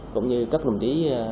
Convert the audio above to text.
cũng như các đồng chí